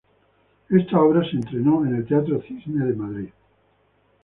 Esta obra se estrenó en el teatro Cisne de Madrid.